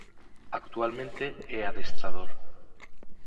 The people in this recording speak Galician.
Actualmente é adestrador.